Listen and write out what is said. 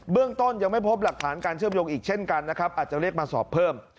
เรื่องต้นยังไม่พบหลักฐานการเชื่อมโยงอีกเช่นกันนะครับอาจจะเรียกมาสอบเพิ่ม